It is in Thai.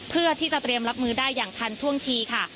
เพื่อที่จะเตรียมรับมือได้อย่างทันท่วงทีค่ะ